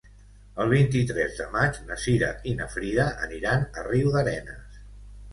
El vint-i-tres de maig na Cira i na Frida aniran a Riudarenes.